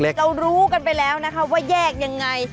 เรารู้กันไปแล้วนะคะว่าแยกยังไง